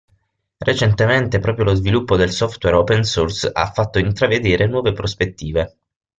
Recentemente proprio lo sviluppo del software open source ha fatto intravedere nuove prospettive.